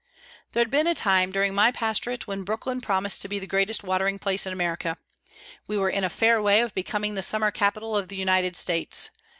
There had been a time during my pastorate when Brooklyn promised to be the greatest watering place in America. We were in a fair way of becoming the summer capital of the United States.